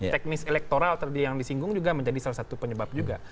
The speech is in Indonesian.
teknis elektoral tadi yang disinggung juga menjadi salah satu penyebab juga